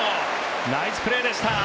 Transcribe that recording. ナイスプレーでした。